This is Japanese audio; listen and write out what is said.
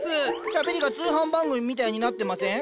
しゃべりが通販番組みたいになってません？